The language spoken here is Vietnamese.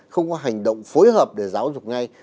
không có hành động phối hợp để giáo dục ngay